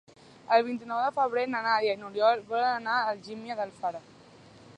El vint-i-nou de febrer na Nàdia i n'Oriol volen anar a Algímia d'Alfara.